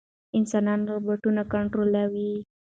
انسانان روباټونه کنټرولوي.